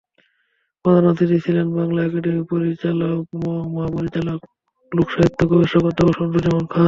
প্রধান অতিথি ছিলেন বাংলা একাডেমির মহাপরিচালক লোকসাহিত্য গবেষক অধ্যাপক শামসুজ্জামান খান।